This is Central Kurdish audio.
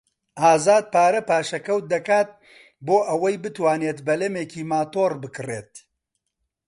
ئازاد پارە پاشەکەوت دەکات بۆ ئەوەی بتوانێت بەلەمێکی ماتۆڕ بکڕێت.